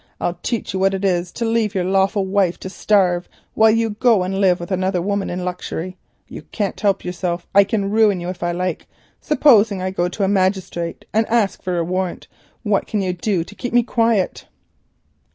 I'll teach you what it is to leave your lawful wife to starve while you go and live with another woman in luxury. You can't help yourself; I can ruin you if I like. Supposing I go to a magistrate and ask for a warrant? What can you do to keep me quiet?"